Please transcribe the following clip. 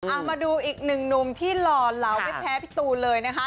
เอามาดูอีกหนึ่งหนุ่มที่หล่อเหลาไม่แพ้พี่ตูนเลยนะคะ